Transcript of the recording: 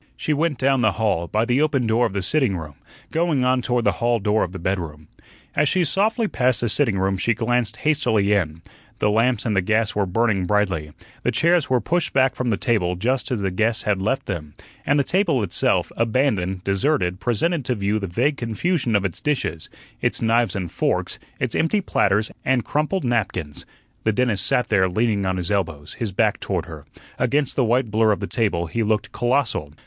She went down the hall, by the open door of the sitting room, going on toward the hall door of the bedroom. As she softly passed the sitting room she glanced hastily in. The lamps and the gas were burning brightly, the chairs were pushed back from the table just as the guests had left them, and the table itself, abandoned, deserted, presented to view the vague confusion of its dishes, its knives and forks, its empty platters and crumpled napkins. The dentist sat there leaning on his elbows, his back toward her; against the white blur of the table he looked colossal.